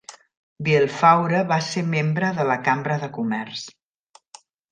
Vielfaure va ser membre de la Cambra de Comerç.